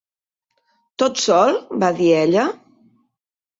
"Tot sol?" va dir ella.